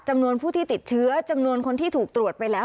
จำนวนผู้ที่ติดเชื้อจำนวนคนที่ถูกตรวจไปแล้ว